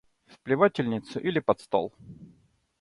В плевательницу или под стол.